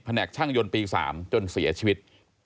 แหกช่างยนต์ปี๓จนเสียชีวิต